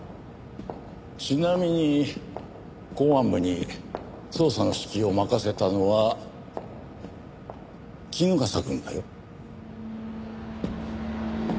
ちなみに公安部に捜査の指揮を任せたのは衣笠くんだよ。